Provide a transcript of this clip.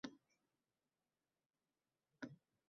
- Men bilan bo'lgan barcha narsalarni unut!